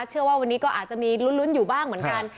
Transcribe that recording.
เชื่อว่าวันนี้ก็อาจจะมีลุ้นอยู่บ้างเหมือนกัน